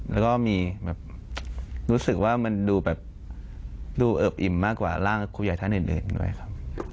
แล้วก็มีแบบรู้สึกว่ามันดูแบบดูเอิบอิ่มมากกว่าร่างครูใหญ่ท่านอื่นด้วยครับ